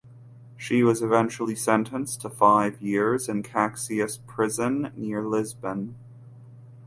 She was eventually sentenced to five years in Caxias prison near Lisbon.